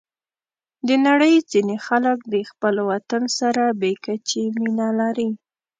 د نړۍ ځینې خلک د خپل وطن سره بې کچې مینه لري.